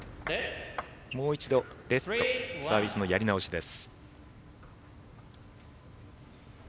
もう一度、レットサービスのやり直しです。